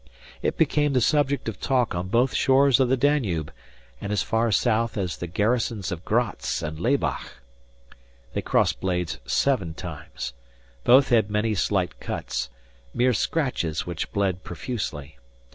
It became the subject of talk on both shores of the Danube, and as far south as the garrisons of Gratz and Laybach. They crossed blades seven times. Both had many slight cuts mere scratches which bled profusely.